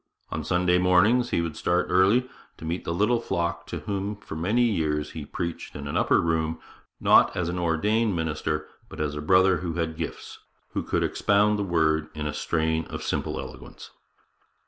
On Sunday mornings he would start early to meet the little flock to whom for many years he preached in an upper room, not as an ordained minister, but as a brother who had gifts who could expound the Word in a strain of simple eloquence.